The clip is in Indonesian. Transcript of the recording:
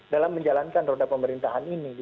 dalam menjalankan roda pemerintahan ini